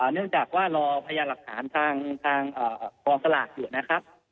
เนื่องจากว่ารอพยานหลักฐานทางกองสลากอยู่นะครับ